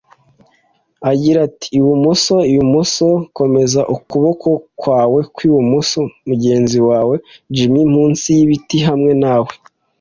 Agira ati: “Ibumoso, ibumoso; “Komeza ukuboko kwawe kw'ibumoso, mugenzi wawe Jim! Munsi y'ibiti hamwe nawe!